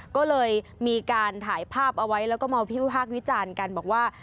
ก็เลยมีการถ่ายภาพเอาไว้แล้วก็มาวิพากษ์วิจารณ์กันบอกว่า